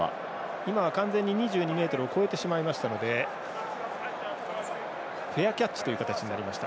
完全に２２ｍを越えてしまいましたのでフェアキャッチという形になりました。